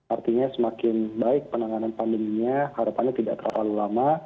artinya semakin baik penanganan pandeminya harapannya tidak terlalu lama